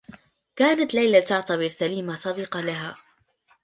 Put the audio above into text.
كانت ليلى تعتبر سليمة صديقة لها.